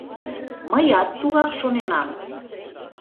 — Мыят тугак шоненам...